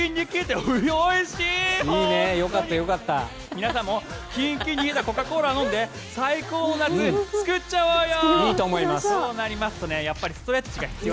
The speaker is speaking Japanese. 皆さんもキンキンに冷えたコカ・コーラを飲んで最高の夏、作っちゃおうよ！